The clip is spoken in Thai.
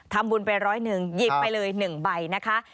ทำบุญไป๑๐๑บาทหยิบไปเลย๑ใบนะคะ